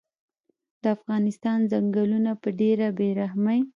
د افغانستان ځنګلونه په ډیره بیرحمۍ